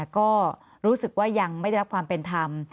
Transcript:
ก็รู้สึกว่ายังไม่ได้รับความเป็นธรรม